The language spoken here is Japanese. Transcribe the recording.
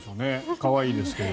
可愛いですけど。